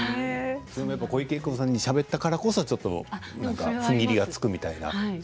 小池栄子さんにしゃべったからこそ、ふんぎりがつくと。